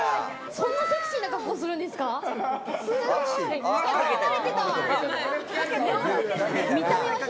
そんなセクシーな格好をするんですか？